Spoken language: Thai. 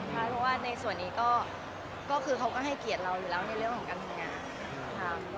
เพราะว่าในส่วนนี้ก็คือเขาก็ให้เกียรติเราอยู่แล้วในเรื่องของการทำงานค่ะ